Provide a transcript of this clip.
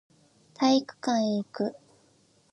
体育館へ行く